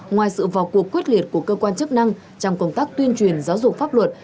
ngoài sự vào cuộc quyết liệt của cơ quan chức năng trong công tác tuyên truyền giáo dục pháp luật